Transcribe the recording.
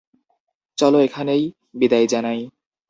চলো এখানেই বিদায় জানাই।